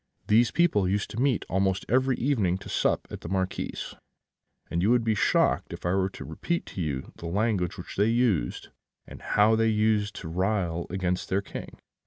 These people used to meet almost every evening to sup at the Marquis's; and you would be shocked if I were to repeat to you the language which they used, and how they used to rail against their King.